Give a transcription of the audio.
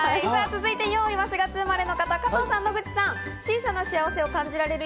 続いて、４位は４月生まれの方、加藤さんと野口さん。